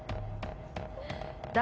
誰？